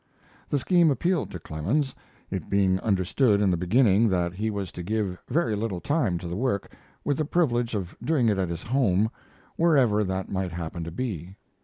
The scheme appealed to Clemens, it being understood in the beginning that he was to give very little time to the work, with the privilege of doing it at his home, wherever that might happen to be.